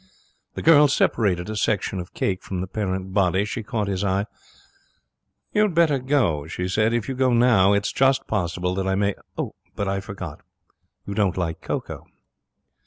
The girl separated a section of cake from the parent body. She caught his eye. 'You had better go,' she said. 'If you go now it's just possible that I may but I forgot, you don't like cocoa.'